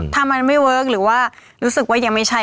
ถ้ามันไม่เวิร์คหรือว่ารู้สึกว่ายังไม่ใช่